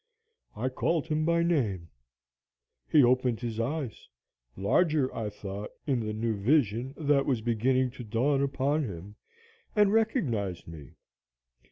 I called him by name. He opened his eyes larger, I thought, in the new vision that was beginning to dawn upon him and recognized me.